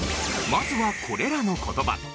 まずはこれらの言葉。